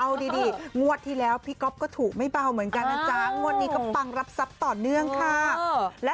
เอาดีงวดที่แล้วพี่ก๊อฟก็ถูกไม่เบาเหมือนกันนะจ๊ะงวดนี้ก็ปังรับทรัพย์ต่อเนื่องค่ะ